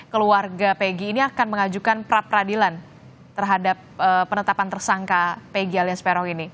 keluarga pegi ini akan mengajukan pra peradilan terhadap penetapan tersangka pegi alias peron ini